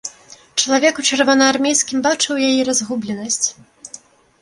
Чалавек у чырвонаармейскім бачыў яе разгубленасць.